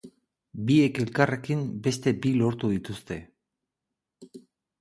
Biek elkarrekin beste bi lortu dituzte.